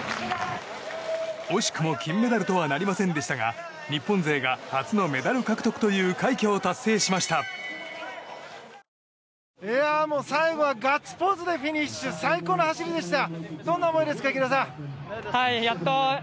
惜しくも金メダルとはなりませんでしたが日本勢が初のメダル獲得という快挙を達成しました。